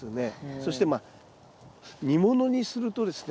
そしてまあ煮物にするとですね